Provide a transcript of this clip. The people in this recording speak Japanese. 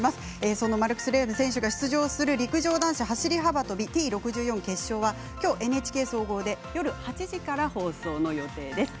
そのマルクス・レーム選手が出場する陸上男子走り幅跳びＴ６４決勝はきょうＮＨＫ総合で夜８時から放送の予定です。